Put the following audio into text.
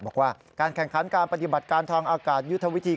บอกว่าการแข่งขันการปฏิบัติการทางอากาศยุทธวิธี